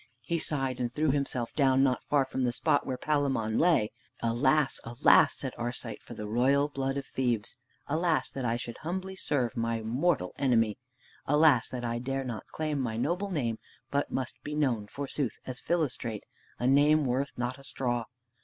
He sighed and threw himself down not far from the spot where Palamon lay. "Alas, alas!" said Arcite, "for the royal blood of Thebes! Alas that I should humbly serve my mortal enemy! Alas that I dare not claim my noble name, but must be known, forsooth, as Philostrate, a name worth not a straw!